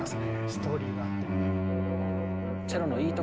ストーリーがあって。